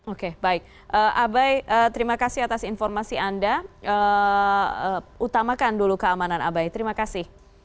oke baik abai terima kasih atas informasi anda utamakan dulu keamanan abai terima kasih